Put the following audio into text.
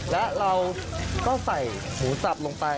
แล้วเราก็ใส่หมูสับลงไป